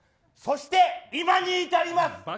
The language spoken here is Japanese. そして、今に至ります。